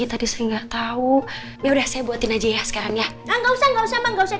tadi saya nggak tahu ya udah saya buatin aja ya sekarang ya nggak usah nggak usah nggak usah